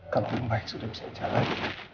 kalau mumbaik sudah bisa jalan